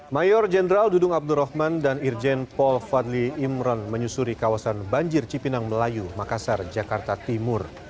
mayor jenderal dudung abdurrahman dan irjen paul fadli imron menyusuri kawasan banjir cipinang melayu makassar jakarta timur